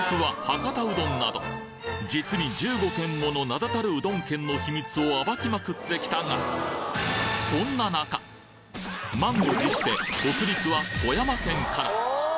博多うどんなど実に１５県もの名だたるうどん県の秘密を暴きまくってきたが満を持して北陸は富山県から！